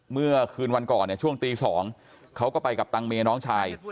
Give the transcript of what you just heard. เมื่อคืนวันก่อนเนี่ยช่วงตี๒เขาก็ไปกับตังเมน้องชาย